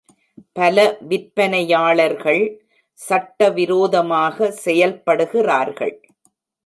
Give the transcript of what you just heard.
பல விற்பனையாளர்கள் சட்டவிரோதமாக செயல்படுகிறார்கள்.